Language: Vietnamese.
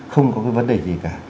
không có cái vấn đề gì cả